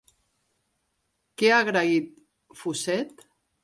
Què ha agraït Fuset?